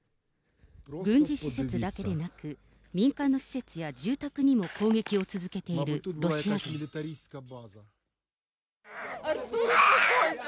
軍事施設だけでなく、民間の施設や住宅にも攻撃を続けているロシア軍。